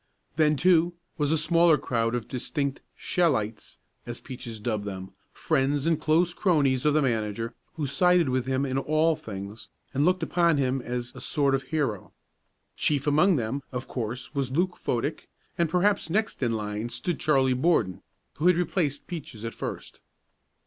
Then, too, was a smaller crowd of distinct "Shellites" as Peaches dubbed them friends and close cronies of the manager who sided with him in all things and looked upon him as a sort of hero. Chief among them, of course, was Luke Fodick, and perhaps next in line stood Charlie Borden, who had replaced Peaches at first.